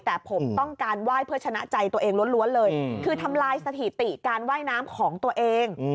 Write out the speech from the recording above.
แต่ผมต้องการไหว้เพื่อชนะใจตัวเองล้วนเลยคือทำลายสถิติการว่ายน้ำของตัวเอง